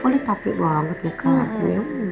boleh tapi wah rambut muka gue emang